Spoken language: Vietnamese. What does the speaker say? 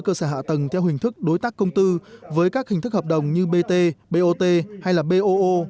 cơ sở hạ tầng theo hình thức đối tác công tư với các hình thức hợp đồng như bt bot hay là boo